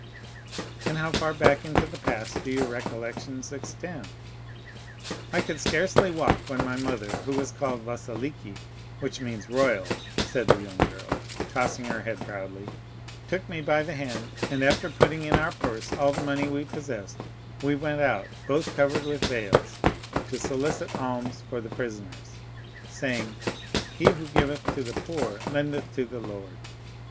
"And how far back into the past do your recollections extend?" "I could scarcely walk when my mother, who was called Vasiliki, which means royal," said the young girl, tossing her head proudly, "took me by the hand, and after putting in our purse all the money we possessed, we went out, both covered with veils, to solicit alms for the prisoners, saying, 'He who giveth to the poor lendeth to the Lord.